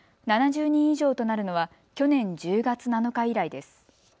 ７０人以上となるのは去年１０月７日以来です。